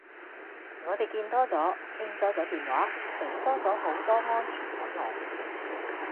我地見多左，傾多左電話。俾多左好多安全感我。